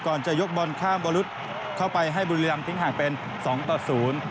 จะยกบอลข้ามบรุษเข้าไปให้บุรีรำทิ้งห่างเป็นสองต่อศูนย์